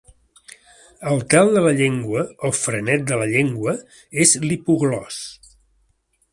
El tel de la llengua o frenet de la llengua és l'hipoglòs.